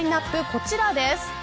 こちらです。